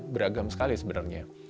beragam sekali sebenarnya